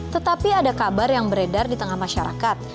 tetapi ada kabar yang beredar di tengah masyarakat